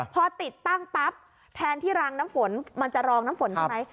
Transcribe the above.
พอติดตั้งปั๊บแทนที่รางน้ำฝนมันจะรองน้ำฝนใช่ไหม